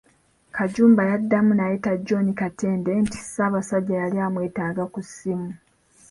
Kajumba yaddamu n'ayita John Katende nti Ssabasajja yali amwetaaga ku ssimu.